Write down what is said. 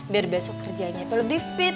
biar besok kerjanya itu lebih fit